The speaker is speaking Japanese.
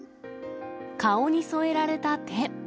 顔に添えられた手。